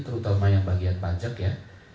terutama yang bagian pajak ya